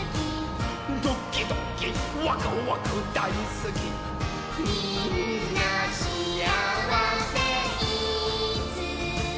「ドキドキワクワクだいすき」「みんなしあわせ」「いつも」